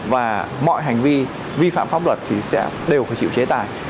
và mọi hành vi vi phạm pháp luật thì sẽ đều phải chịu chế tài